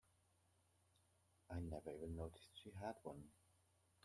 I never even noticed she had one.